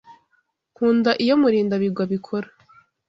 Nkunda iyo Murindabigwi abikora.